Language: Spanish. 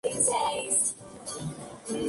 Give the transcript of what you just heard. Introducción instrumental en Do mayor.